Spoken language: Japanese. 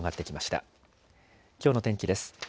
きょうの天気です。